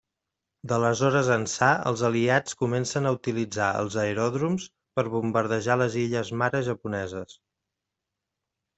D'aleshores ençà els aliats comencen a utilitzar els aeròdroms per bombardejar les illes mare japoneses.